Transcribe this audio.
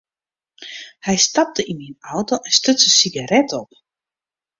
Hy stapte yn myn auto en stuts in sigaret op.